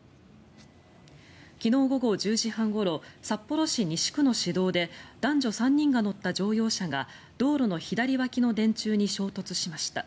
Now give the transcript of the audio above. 昨日午後１０時半ごろ札幌市西区の市道で男女３人が乗った乗用車が道路の左脇の電柱に衝突しました。